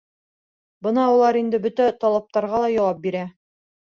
Бына улар инде бөтә талаптарға яуап бирә.